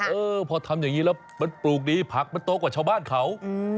เออพอทำอย่างนี้แล้วมันปลูกดีผักมันโตกว่าชาวบ้านเขา